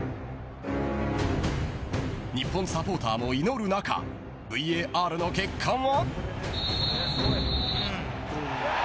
日本サポーターも祈る中ＶＡＲの結果は。